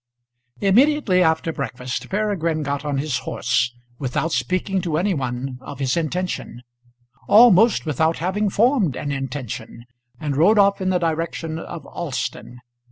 Immediately after breakfast Peregrine got on his horse, without speaking to any one of his intention, almost without having formed an intention, and rode off in the direction of Alston.